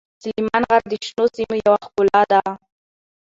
سلیمان غر د شنو سیمو یوه ښکلا ده.